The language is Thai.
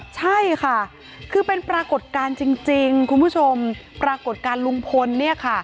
ใช่ค่ะคือเป็นปรากฏการณ์จริงคุณผู้ชมปรากฏการณ์ลุงพลเนี่ยค่ะ